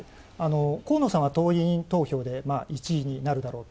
河野さんは党員投票で１位になるだろうと。